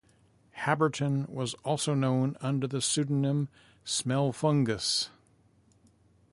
Habberton was also known under the pseudonym Smelfungus.